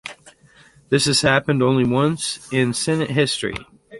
This has happened only once in Senate history.